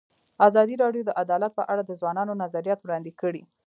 ازادي راډیو د عدالت په اړه د ځوانانو نظریات وړاندې کړي.